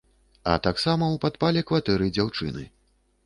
А таксама ў падпале кватэры дзяўчыны.